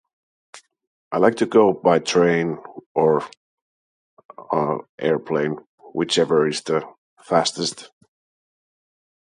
I like to go by train or, uh, airplane, whichever is the fastest.